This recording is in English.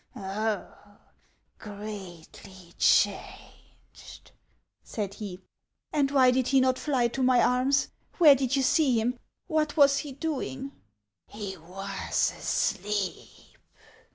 " Oh, greatly changed !" said he. " And why did he not fly to my arms ? Where did you see him ? What was he doing ?''" He was asleep."